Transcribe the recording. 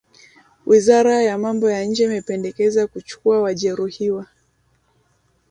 wizara ya mambo ya nje imependekeza kuchukuwa wajeruhiwa